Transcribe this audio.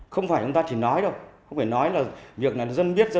không phải chúng ta chỉ nói đâu không phải nói là việc là dân biết